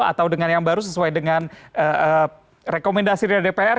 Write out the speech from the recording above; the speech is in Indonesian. atau dengan yang baru sesuai dengan rekomendasi dari dpr